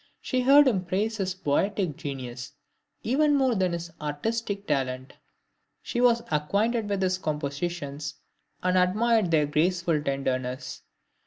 She heard him praise his poetic genius even more than his artistic talent. She was acquainted with his compositions, and admired their graceful tenderness.